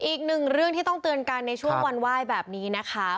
อีกหนึ่งเรื่องที่ต้องเตือนกันในช่วงวันไหว้แบบนี้นะคะ